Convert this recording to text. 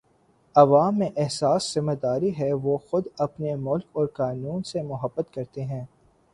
عوام میں احساس ذمہ داری ہے وہ خود اپنے ملک اور قانون سے محبت کرتے ہیں